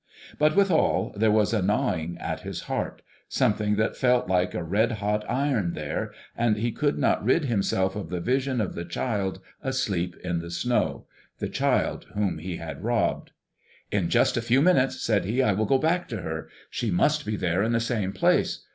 But withal there was a gnawing at his heart, something that felt like a red hot iron there, and he could not rid himself of the vision of the child asleep in the snow, the child whom he had robbed. "In just a few minutes," said he, "I will go back to her. She must be there in the same place.